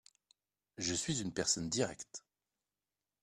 Je suis une personne directe.